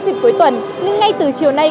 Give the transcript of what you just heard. dịch cuối tuần nhưng ngay từ chiều nay